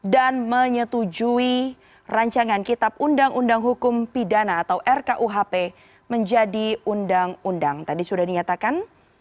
dan dengan ini rapat kami skor